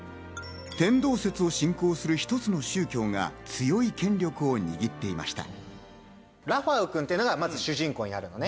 天動説を信仰する一つの宗教が強い権力を握っていました。